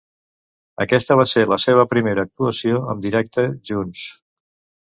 Aquesta va ser la seva primera actuació amb directe junts.